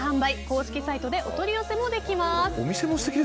公式サイトでお取り寄せもできます。